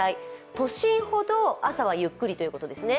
都心ほど朝はゆっくりということですね。